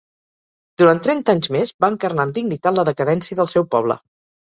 Durant trenta anys més, va encarnar amb dignitat la decadència del seu poble.